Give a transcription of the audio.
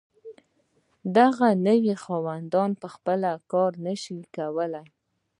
دغه نوي خاوندان په خپله کار نشو کولی.